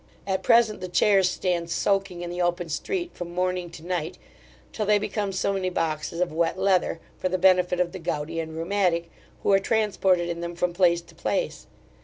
At present, the chairs stand soaking in the open street, from morning to night, till they become so many boxes of wet leather, for the benefit of the gouty and rheumatic, who are transported in them from place to place.